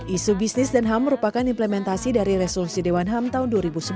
isu bisnis dan ham merupakan implementasi dari resolusi dewan ham tahun dua ribu sebelas